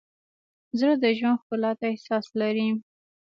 زړه د ژوند ښکلا ته احساس لري.